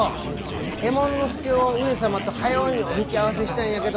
右衛門佐を上様とはようにお引き合わせしたいんやけど。